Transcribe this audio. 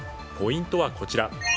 ポイントはこちら。